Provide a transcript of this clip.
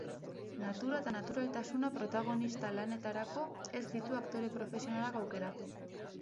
Natura eta naturaltasuna, protagonista lanetarako ez ditu aktore profesionalak aukeratu.